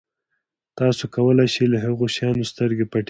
تاسو کولای شئ له هغه شیانو سترګې پټې کړئ.